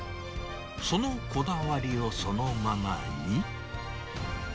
そのこだわりをそのままに。